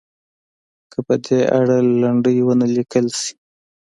که په دې اړه لنډۍ ونه لیکل شي.